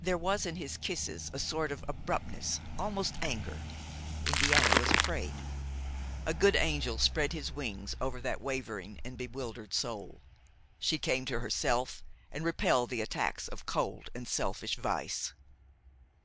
There was in his kisses a sort of abruptness, almost anger. Indiana was afraid. A good angel spread his wings over that wavering and bewildered soul; she came to herself and repelled the attacks of cold and selfish vice.